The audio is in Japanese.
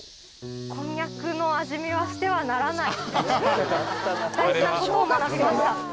こんにゃくの味見はしてはならない大事なことを学びました